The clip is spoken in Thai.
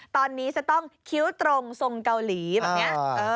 ตอนนี้จะต้องคิ้วตรงทรงเกาหลีแบบนี้